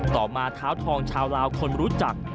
ต่อมาเท้าทองชาวลาวคนรู้จัก